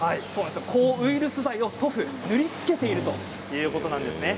抗ウイルス剤を塗布塗りつけているということです。